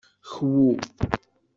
Kwu.